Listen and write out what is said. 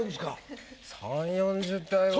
３０４０体はある。